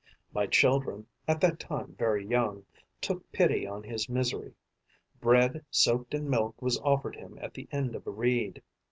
My children, at that time very young, took pity on his misery. Bread soaked in milk was offered him at the end of a reed.